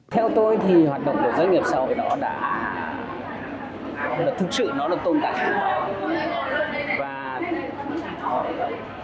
theo tôi thì hoạt động của doanh nghiệp xã hội đó đã thực sự nó đã tồn tại trong đó